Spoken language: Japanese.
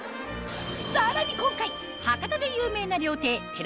さらに今回博多で有名な料亭てら